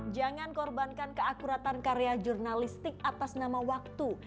jangan korbankan keakuratan karya jurnalistik atas nama waktu